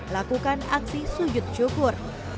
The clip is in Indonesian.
lakukan aksi sujud syukur